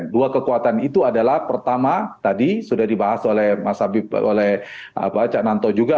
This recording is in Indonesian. dua kekuatan itu adalah pertama tadi sudah dibahas oleh mas habib oleh cak nanto juga